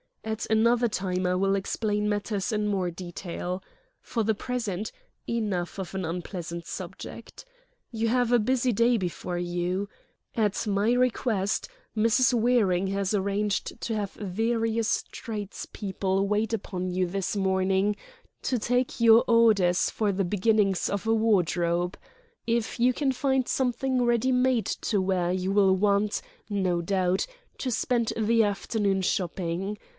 At another time I will explain matters in more detail. For the present—enough of an unpleasant subject. You have a busy day before you. At my request Mrs. Waring has arranged to have various tradespeople wait upon you this morning to take your orders for the beginnings of a wardrobe. If you can find something ready made to wear you will want, no doubt, to spend the afternoon shopping.